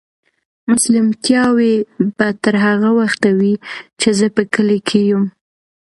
مېلمستیاوې به تر هغه وخته وي چې زه په کلي کې یم.